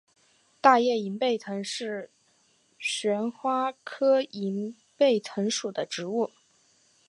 大叶银背藤是旋花科银背藤属的植物。